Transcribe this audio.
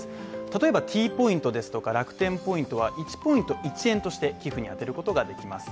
例えばＴポイントですとか楽天ポイントは、１ポイント１円として寄付に充てることができます。